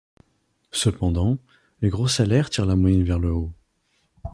Cependant, les gros salaires tirent la moyenne vers le haut.